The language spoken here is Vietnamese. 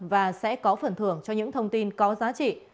và sẽ có phần thưởng cho những thông tin có giá trị